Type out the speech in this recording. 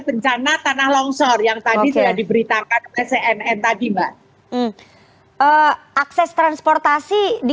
bencana tanah longsor yang tadi saja diberitakan mscnn yang tadi mbak access transportasi di